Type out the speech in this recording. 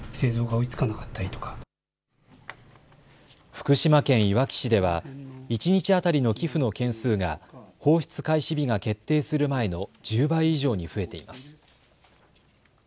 福島県いわき市では一日当たりの寄付の件数が放出開始日が決定する前の１０倍以上に増えています。